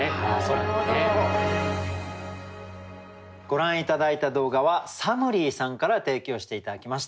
ご覧頂いた動画はさむりぃさんから提供して頂きました。